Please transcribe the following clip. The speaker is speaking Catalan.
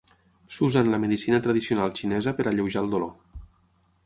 S'usa en la medicina tradicional xinesa per a alleujar el dolor.